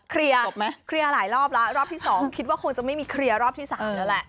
ครียอร์ครียอร์หลายรอบแล้วรอบที่สองคิดว่าคงจะไม่มีครียอร์รอบที่สามแล้วแหละ